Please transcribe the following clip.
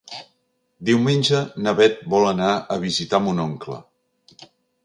Diumenge na Bet vol anar a visitar mon oncle.